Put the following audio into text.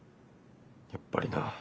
やっぱりな。